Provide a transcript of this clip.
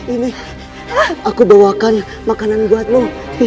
ini aku bawakan makanan buatmu